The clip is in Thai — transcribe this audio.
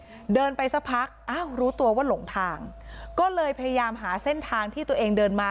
เดินไปสักพักอ้าวรู้ตัวว่าหลงทางก็เลยพยายามหาเส้นทางที่ตัวเองเดินมา